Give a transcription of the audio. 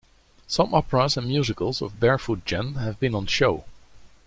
Some operas and musicals of Barefoot Gen have been on show.